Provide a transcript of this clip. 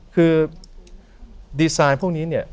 คือดีไซน์พวกนี้